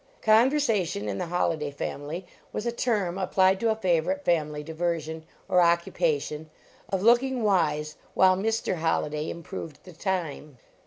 Conversation, in the Holliday family, was a term applied to a favorite family diversion, or occupation, of looking wise while Mr. Holliday improved the time.